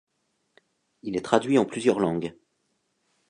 Il est traduit en plusieurs langues.